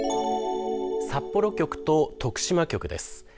札幌局と徳島局です。